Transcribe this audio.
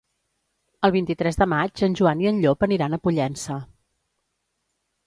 El vint-i-tres de maig en Joan i en Llop aniran a Pollença.